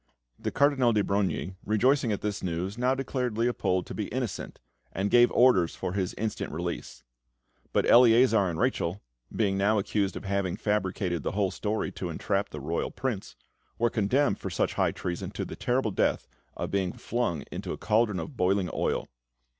The Cardinal de Brogni, rejoicing at this news, now declared Leopold to be innocent, and gave orders for his instant release; but Eleazar and Rachel, being now accused of having fabricated the whole story to entrap the royal Prince, were condemned for such high treason to the terrible death of being flung into a cauldron of boiling oil.